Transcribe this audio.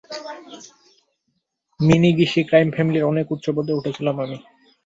মিনিগিশি crime ফ্যামিলির অনেক উচ্চপদে উঠেছিলাম আমি।